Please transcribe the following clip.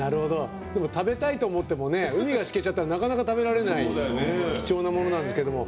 食べたいと思っても海がしけたらなかなか食べられない貴重なものなんですけども。